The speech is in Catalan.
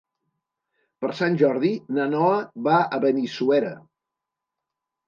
Per Sant Jordi na Noa va a Benissuera.